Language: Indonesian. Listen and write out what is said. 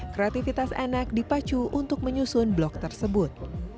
kreativitas anak dipacu untuk menyusun blok tersebut